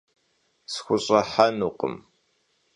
Sxuş'ıhenukhım.